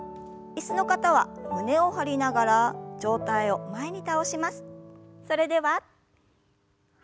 椅子の方は胸を張りながら上体を前に。